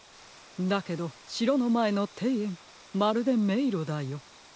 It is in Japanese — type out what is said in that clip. だけどしろのまえのていえんまるでめいろだよ。